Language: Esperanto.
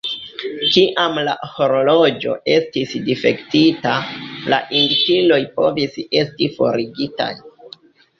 Kiam la horloĝo estis difektita, la indikiloj povis esti forigitaj.